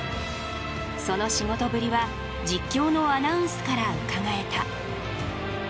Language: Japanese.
その仕事ぶりは実況のアナウンスからうかがえた。